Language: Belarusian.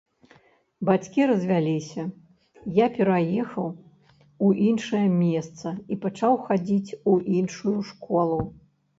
Бацькі развяліся, я пераехаў у іншае месца і пачаў хадзіць у іншую школу.